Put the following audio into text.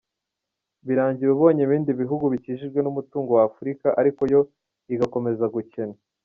Birangira ubonye ibindi bihugu bikijijwe n’umutungo wa Afurika ariko yo igakomeza gukena.